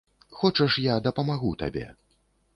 Хочаш, я дапамагу табе?